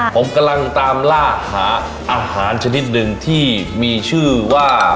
ผมกำลังตามล่าหาอาหารชนิดหนึ่งที่มีชื่อว่า